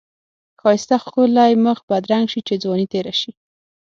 ښایسته ښکلی مخ بدرنګ شی چی ځوانی تیره شی.